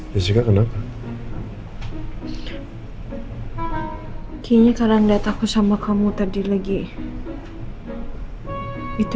kini karena enggak takut sama kamu tadi lagi itu